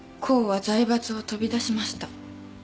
コウは財閥を飛び出しました。